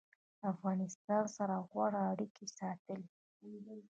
له افغانستان سره غوره اړیکې ساتلي